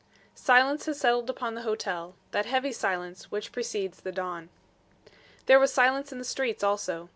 Silence has settled upon the hotel; that heavy silence which precedes the dawn. There was silence in the streets also.